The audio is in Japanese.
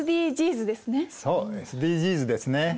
そうＳＤＧｓですね。